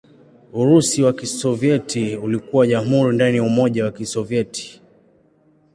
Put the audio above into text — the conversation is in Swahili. Urusi wa Kisovyeti ulikuwa jamhuri ndani ya Umoja wa Kisovyeti.